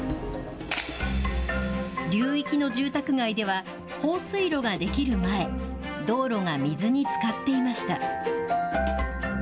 流域の住宅街では、放水路が出来る前、道路が水につかっていました。